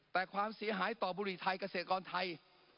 แต่ความเสียหายต่อบุหรี่ไทยเกษตรกรไทย